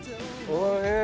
おいしい！